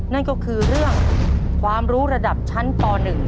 นั่นก็คือเรื่องความรู้ระดับชั้นป๑